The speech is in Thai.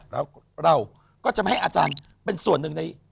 แล้วเราก็จะไม่ให้อาจารย์เป็นส่วนหนึ่งใน